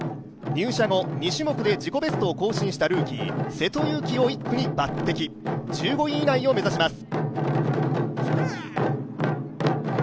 入社後、２種目で自己ベストを更新したルーキー、瀬戸裕希を１区に抜てき、１５位以内を目指します。